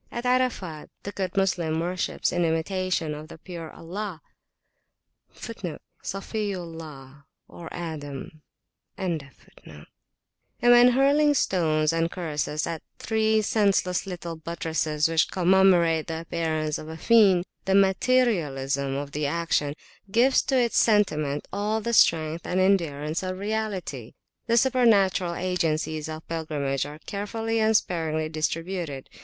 At Arafat the good Moslem worships in imitation of [p.238] the Pure of Allah[FN#15]; and when hurling stones and curses at three senseless little buttresses which commemorate the appearance of the fiend, the materialism of the action gives to its sentiment all the strength and endurance of reality. The supernatural agencies of pilgrimage are carefully and sparingly distributed.